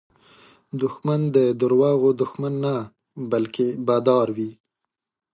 دښمن د دروغو دښمن نه، بلکې بادار وي